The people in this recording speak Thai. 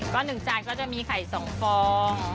ก็หนึ่งจานก็จะมีไข่สองฟอง